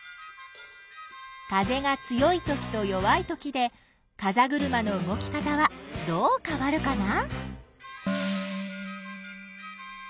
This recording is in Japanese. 風が強いときと弱いときでかざぐるまの動き方はどうかわるかな？